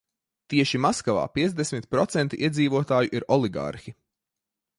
Tieši Maskavā piecdesmit procenti iedzīvotāju ir oligarhi.